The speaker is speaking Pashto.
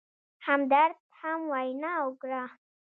همدرد هم وینا وکړه.